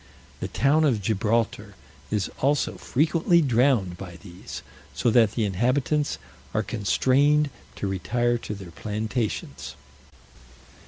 The town of Gibraltar is also frequently drowned by these, so that the inhabitants are constrained to retire to their plantations.